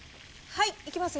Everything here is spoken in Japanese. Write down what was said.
はいいきますよ